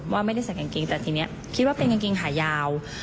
ว่าไม่ได้ใส่กางเกงแต่ทีนี้คิดว่าเป็นกางเกงขายาว